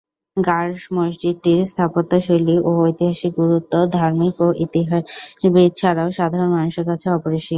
গার মসজিদটির স্থাপত্যশৈলী ও ঐতিহাসিক গুরুত্ব ধার্মিক ও ইতিহাসবিদ ছাড়াও সাধারণ মানুষের কাছেও অপরিসীম।